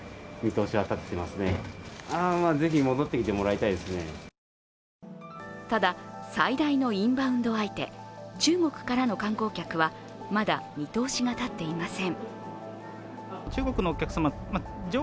ただ最大のインバウンド相手、中国からの観光客はまだ見通しが立っていません。